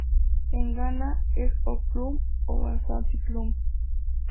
En Ghana, es hog plum o Ashanti plum.